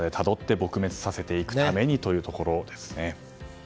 撲滅させていくためにということですね。